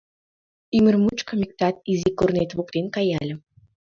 Ӱмыр мучкем иктак — «Изи корнет воктен каяльым...»